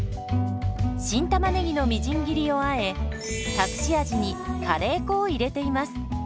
新たまねぎのみじん切りをあえ隠し味にカレー粉を入れています。